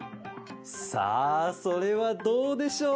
さあそれはどうでしょう？